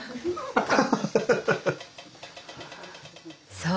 そう！